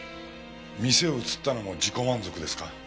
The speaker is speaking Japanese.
店を移ったのも自己満足ですか？